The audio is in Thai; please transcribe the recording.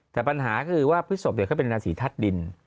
แต่ปัญหาคือว่าพฤศพเขาเป็นราศีทัศน์ดิน